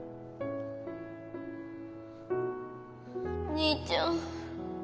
兄ちゃん。